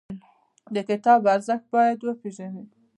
د کتاب ارزښت باید وپېژنو.